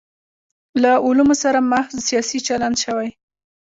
له علومو سره محض سیاسي چلند شوی.